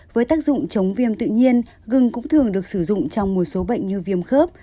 với tác dụng chống viêm tự nhiên gừng cũng thường được sử dụng trong một số bệnh như viêm khớp